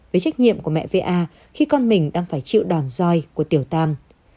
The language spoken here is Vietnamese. với trách nhiệm của mẹ va khi con mình đang phải chịu đòn roi của tiểu tam